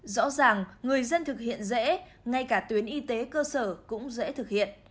rõ ràng người dân thực hiện dễ ngay cả tuyến y tế cơ sở cũng dễ thực hiện